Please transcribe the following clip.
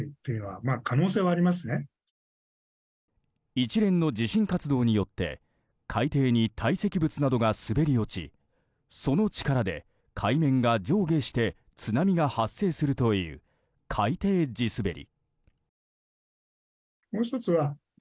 一連の地震活動によって海底に堆積物などが滑り落ちその力で、海面が上下して津波が発生するという海底地滑り。